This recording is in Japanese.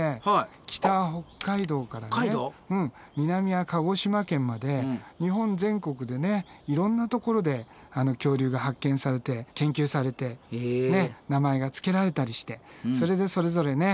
北は北海道から南は鹿児島県まで日本全国でねいろんなところで恐竜が発見されて研究されて名前がつけられたりしてそれでそれぞれね